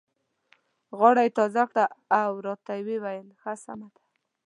غاړه یې تازه کړه او راته یې وویل: ښه سمه ده.